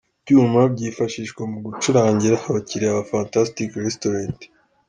Ibyuma byifashishwa mu gucurangira abakiriya ba Fantastic Restaurant.